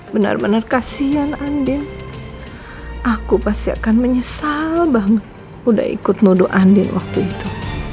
benar benar kasihan andin aku pasti akan menyesal banget udah ikut lodo andin waktu itu